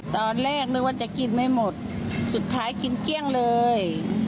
ตอนแรกนึกว่าจะกินไม่หมดสุดท้ายกินเกลี้ยงเลย